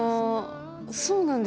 そうなんですよね。